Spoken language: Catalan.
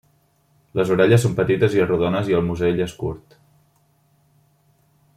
Les orelles són petites i rodones i el musell és curt.